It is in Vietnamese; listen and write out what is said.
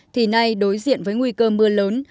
thì nay đối diện với nguy cơ mưa lớn